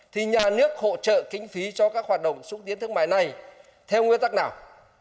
thì nhà nước hỗ trợ kinh phí cho các hoạt động xúc tiến thương mại này theo nguyên tắc nào